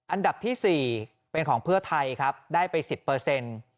อันดับที่๔เป็นของเพื่อไทยครับได้ไปสิบเปอร์เซ็นต์